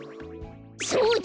そうだ！